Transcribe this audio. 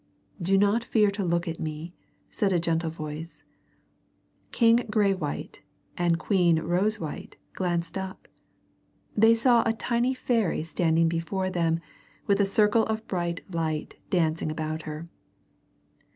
"Do not fear to look at me," said a gentle voice. King Graywhite and Queen Rosewhite glanced up. They saw a tiny fairy standing before them with a circle of bright light dancing about her.